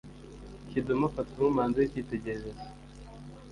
Kidum afatwa nk’umuhanzi w’icyitegererezo